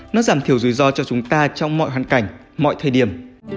nó giảm thiểu rủi ro cho chúng ta trong mọi hoàn cảnh mọi thời điểm